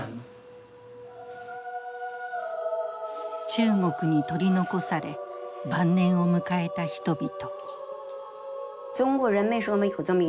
中国に取り残され晩年を迎えた人々。